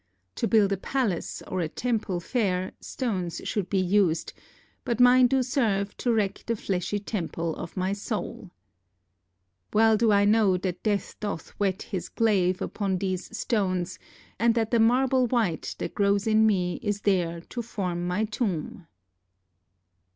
To build a palace, or a temple fair, Stones should be used; but mine do serve To wreck the fleshly temple of my soul. Well do I know that Death doth whet his glaive Upon these stones, and that the marble white That grows in me is there to form my tomb."